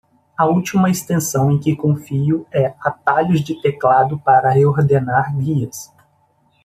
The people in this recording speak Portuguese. A última extensão em que confio é Atalhos de Teclado para Reordenar Guias.